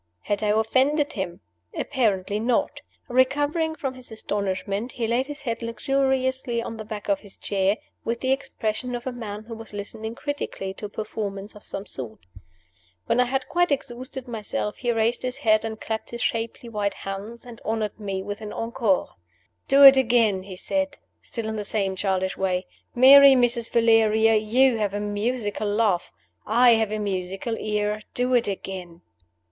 Had I offended him? Apparently not. Recovering from his astonishment, he laid his head luxuriously on the back of his chair, with the expression of a man who was listening critically to a performance of some sort. When I had quite exhausted myself, he raised his head and clapped his shapely white hands, and honored me with an "encore." "Do it again," he said, still in the same childish way. "Merry Mrs. Valeria, you have a musical laugh I have a musical ear. Do it again."